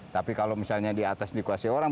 tapi kalau misalnya di atas dikuasai orang